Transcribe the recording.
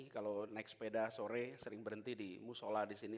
kalau naik sepeda sore sering berhenti di musola disini